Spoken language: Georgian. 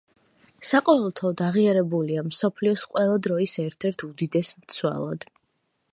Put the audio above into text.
საყოველთაოდ აღიარებულია მსოფლიოს ყველა დროის ერთ-ერთ უდიდეს მცველად.